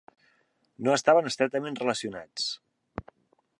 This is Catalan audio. No estaven estretament relacionats.